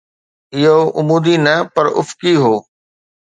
اهو عمودي نه پر افقي هو